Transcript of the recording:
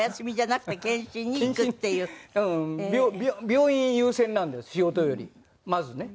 病院優先なんです仕事よりまずね。